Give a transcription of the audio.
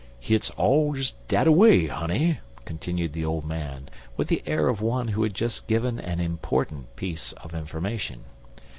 "Hit's all des dat away, honey," continued the old man, with the air of one who had just given an important piece of information.